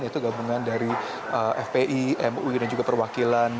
yaitu gabungan dari fpi mui dan juga perwakilan